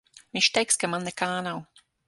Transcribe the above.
Viņš teiks, ka man nekā nav.